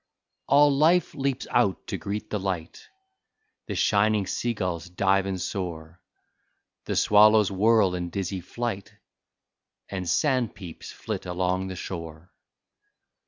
All life leaps out to greet the light — The shining sea gulls dive and soar, The swallows whirl in dizzy flight, And sandpeeps flit along the shore.